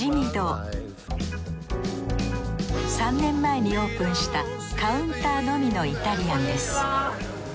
３年前にオープンしたカウンターのみのイタリアンです。